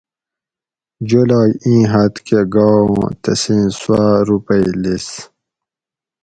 جولاگ اِیں حد کہ گا اُوں تسیں سُواۤ روپئ لیس